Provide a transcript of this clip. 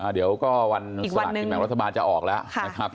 เดี๋ยวก็วันสลัดที่แม่งรัฐบาลจะออกแล้ว